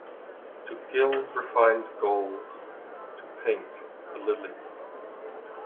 To gild refined gold, to paint the lily